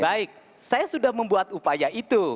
baik saya sudah membuat upaya itu